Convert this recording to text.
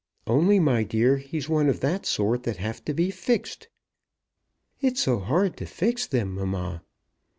"Only, my dear, he's one of that sort that have to be fixed." "It's so hard to fix them, mamma."